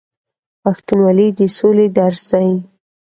پښتونولي د سولې درس دی.